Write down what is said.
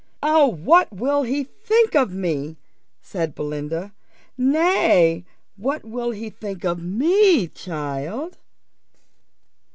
"Oh, what will he think of me!" said Belinda. "Nay, what will he think of me, child!"